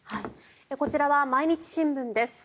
こちらは毎日新聞です。